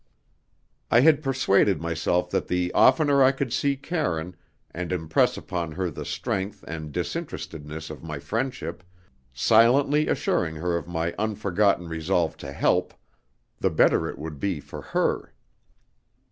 I had persuaded myself that the oftener I could see Karine, and impress upon her the strength and disinterestedness of my friendship, silently assuring her of my unforgotten resolve to help, the better it would be for her.